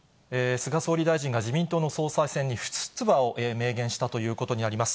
菅総理大臣が自民党の総裁選に不出馬を明言したということになります。